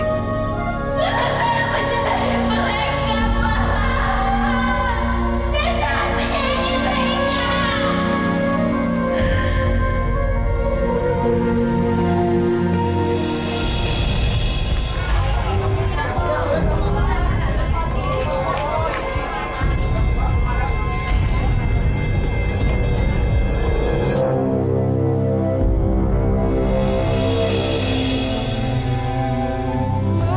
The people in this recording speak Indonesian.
karena saya mencintai mereka pak